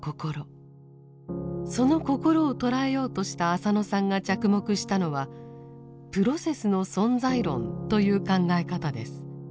その心を捉えようとした浅野さんが着目したのは「プロセスの存在論」という考え方です。